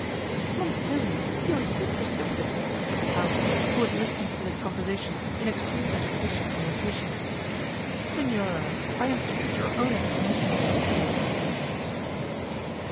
"Montoni, you are too precipitate," said the Count, who had listened to this conversation in extreme agitation and impatience;—"Signora, I entreat your own explanation of this affair!"